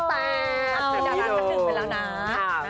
จะรักจักรึงไปแล้วนะ